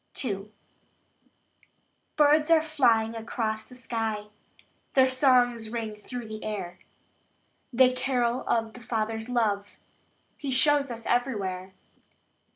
II. Birds are flying across the sky; Their songs ring through the air; They carol of the Father's love He shows us everywhere.